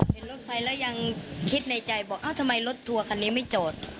เห็นรถไฟแล้วยังคิดในใจบอกเอ้าทำไมรถทัวร์คันนี้ไม่จอด